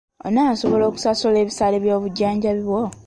Onaasobola okusasula ebisale by'obujjanjabi obwo?